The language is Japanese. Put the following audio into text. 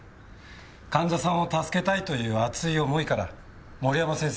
患者さんを助けたいという熱い思いから森山先生